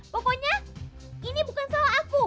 pokoknya ini bukan salah aku